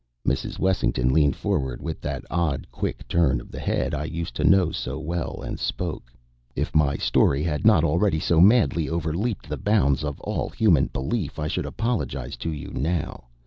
Mrs. Wessington leaned forward, with that odd, quick turn of the head I used to know so well, and spoke. If my story had not already so madly overleaped the bounds of all human belief I should apologize to you now.